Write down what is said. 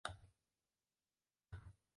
喙花姜属是姜科下的一个属。